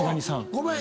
ごめん。